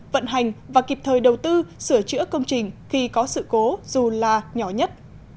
vận hành và kịp thời đầu tư sửa chữa công trình khi có sự cố dù là nhỏ nhất